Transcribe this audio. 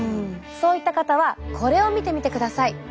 そういった方はこれを見てみてください。